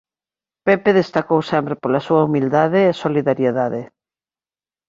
Pepe destacou sempre pola súa humildade e solidariedade.